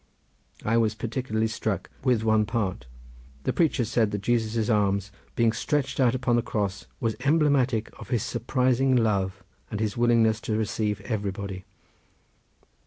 I was particularly struck with one part. The preacher said that Jesus' arms being stretched out upon the cross was emblematic of his surprising love and his willingness to receive anybody.